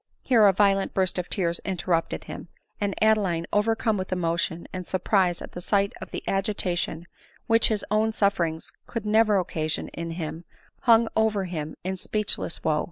Here a violent burst of tears interrupted him ; and Ade line, overcome with emotion and surprise at the sight of the agitation which his own sufferings could never occa sion in him, hung over him in speechless wo.